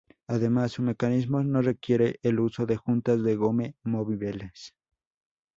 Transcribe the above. Además, su mecanismo no requiere el uso de juntas de goma móviles.